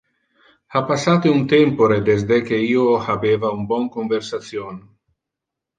Ha passate un tempore desde que io habeva un bon conversation.